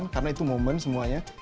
karena itu momen semuanya